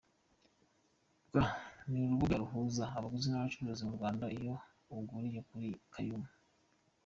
rw ni urubuga ruhuza abaguzi n’abacuruzi mu Rwanda, iyo uguriye kuri Kaymu.